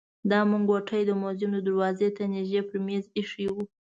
دا منګوټی د موزیم دروازې ته نژدې پر مېز ایښی و.